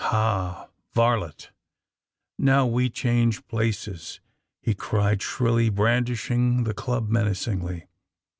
^^Ha, varlet! Now we change places!" he cried shrilly, brandishing the club menacingly.